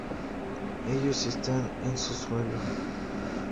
Ellos están en su suelo.